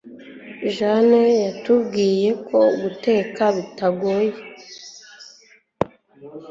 Jane yatubwiye ko guteka bitagoye